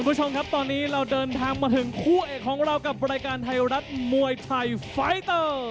คุณผู้ชมครับตอนนี้เราเดินทางมาถึงคู่เอกของเรากับรายการไทยรัฐมวยไทยไฟเตอร์